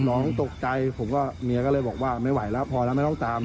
น้องตกใจผมก็เมียก็เลยบอกว่าไม่ไหวแล้วพอแล้วไม่ต้องตาม